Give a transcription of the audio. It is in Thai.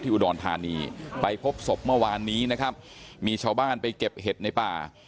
อุดรธานีไปพบศพเมื่อวานนี้นะครับมีชาวบ้านไปเก็บเห็ดในป่า